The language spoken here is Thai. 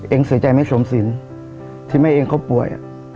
เองเสียใจไม่สวมสินที่แม่เองเขาป่วย